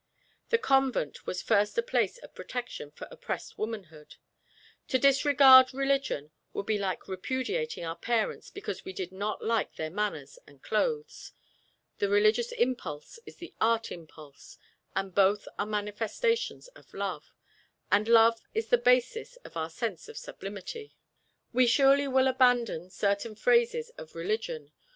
The convent was first a place of protection for oppressed womanhood. To discard religion would be like repudiating our parents because we did not like their manners and clothes. The religious impulse is the art impulse, and both are manifestations of love, and love is the basis of our sense of sublimity. We surely will abandon certain phases of religion.